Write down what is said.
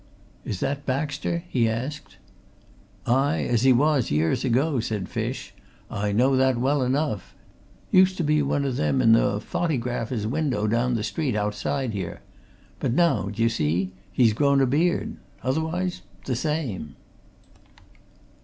"Is that Baxter?" he asked. "Aye! as he was, years ago," said Fish. "I know that well enough used to be one o' them in the phottygrapher's window down the street, outside here. But now, d'ye see, he's grown a beard. Otherwise the same!"